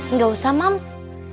nggak usah moms